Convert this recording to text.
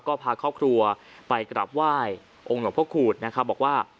ก็พาครอบครัวไปกราบไหว้องค์หน่อพ่อคุณนะครับบอกว่า